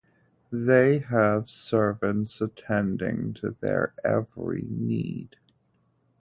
They have servants attending to their every need.